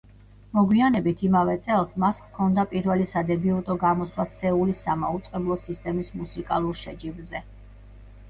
მოგვიანებით, იმავე წელს მას ჰქონდა პირველი სადებიუტო გამოსვლა სეულის სამაუწყებლო სისტემის მუსიკალურ შეჯიბრზე.